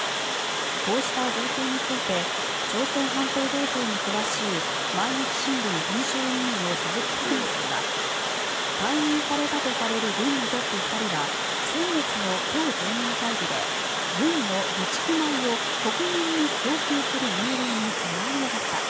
こうした状況について朝鮮半島情勢に詳しい毎日新聞編集委員の鈴木琢磨さんは解任されたとされる軍のトップ２人は先月の党全員会議で軍の備蓄米を国民に供給する命令に不満げだった。